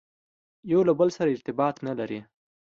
یو له بل سره ارتباط نه لري.